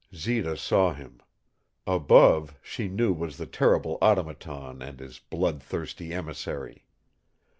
Zita saw him. Above, she knew was the terrible Automaton and his bloodthirsty emissary.